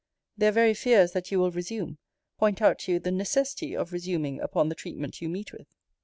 Their very fears that you will resume, point out to you the necessity of resuming upon the treatment you meet with.